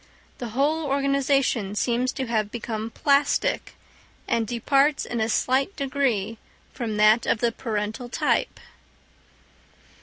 The whole organisation seems to have become plastic, and departs in a slight degree from that of the parental type.